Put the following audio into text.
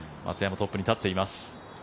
トップに立っています。